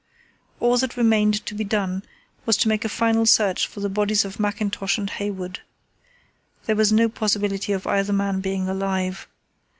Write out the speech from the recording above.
All that remained to be done was to make a final search for the bodies of Mackintosh and Hayward. There was no possibility of either man being alive.